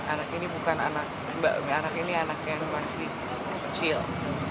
anak ini bukan anak ini anak yang masih kecil